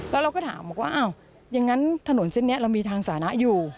แล้วเราก็ถามบอกว่าอ้าวอย่างนั้นถนนเส้นนี้เรามีทางสานะอยู่